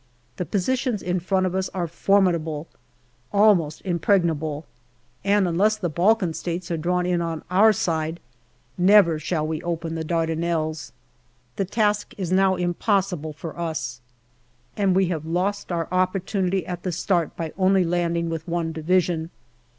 The positions in front of us are formidable, almost im pregnable, and unless the Balkan States are drawn in on our side, never shall we open the Dardanelles. The task is now impossible for us, and we have lost our opportunity at the start by only landing with one Division.